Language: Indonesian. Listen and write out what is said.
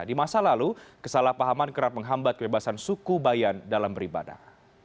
di masa lalu kesalahpahaman kerap menghambat kebebasan suku bayan dalam beribadah